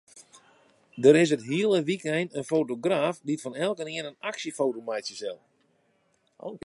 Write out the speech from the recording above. Der is it hiele wykein in fotograaf dy't fan elkenien in aksjefoto meitsje sil.